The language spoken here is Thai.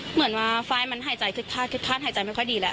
เหมือนว่าไฟล์มันหายใจคึกคักหายใจไม่ค่อยดีแล้ว